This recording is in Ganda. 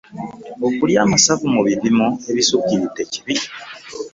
Okulya amasavu mu bipimo ebisukkiridde kibi.